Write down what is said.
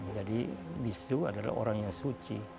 jadi bisu adalah orang yang suci